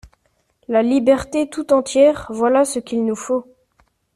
La liberté tout entière, voilà ce qu'il nous faut!